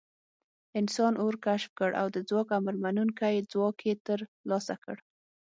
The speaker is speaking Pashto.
انسان اور کشف کړ او د ځواک امرمنونکی ځواک یې تر لاسه کړ.